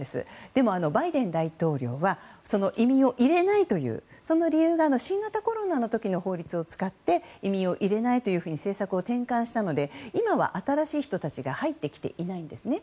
でも、バイデン大統領はその移民を入れないというその理由が新型コロナの時の法律を使って移民を入れないと政策を転換したので今は新しい人たちが入ってきていないんですね。